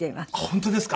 本当ですか？